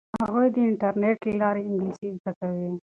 هغوی د انټرنیټ له لارې انګلیسي زده کوي.